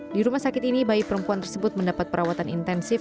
di rumah sakit ini bayi perempuan tersebut mendapat perawatan intensif